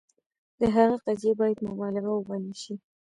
د هغه قضیې باید مبالغه وبلل شي.